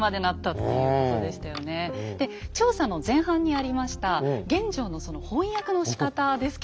で調査の前半にありました玄奘のその翻訳のしかたですけれども。